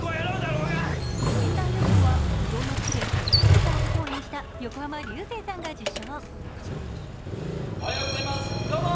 助演男優賞は「流浪の月」で狂気じみた男を演じた横浜流星さんが受賞。